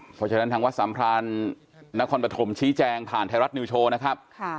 เพราะฉะนั้นทางวัดสัมพรานนครปฐมชี้แจงผ่านไทยรัฐนิวโชว์นะครับ